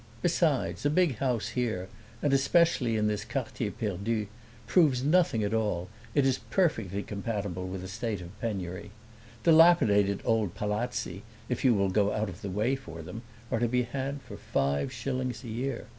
Besides, a big house here, and especially in this quartier perdu, proves nothing at all: it is perfectly compatible with a state of penury. Dilapidated old palazzi, if you will go out of the way for them, are to be had for five shillings a year.